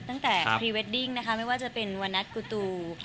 ตั้งแต่พรีเวดดิ้งนะคะไม่ว่าจะเป็นวันนัทกูตู